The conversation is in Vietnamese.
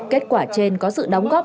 kết quả trên có sự đóng góp